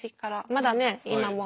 まだね今も。